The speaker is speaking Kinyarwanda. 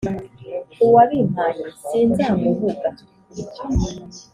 uwabimpaye sinzamuhuga.